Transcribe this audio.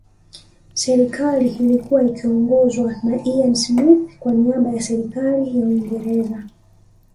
Serikali iIlikua ikiiongozwa na Ian Smith kwa niaba ya Serikali ya Uingereza